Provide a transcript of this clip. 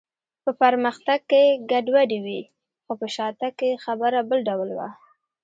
په پرمختګ کې ګډوډي وي، خو په شاتګ کې خبره بل ډول وه.